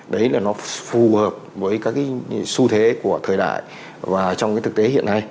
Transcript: đấy là nó phù hợp với các su thế của thời đại và trong thực tế hiện nay